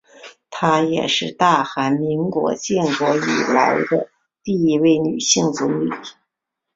她也是大韩民国建国以来的第一位女性总理。